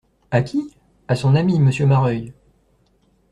A qui ? A son ami, Monsieur Mareuil.